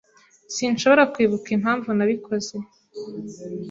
Sinshobora kwibuka impamvu nabikoze.